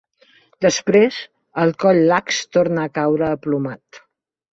Després el coll lax torna a caure aplomat.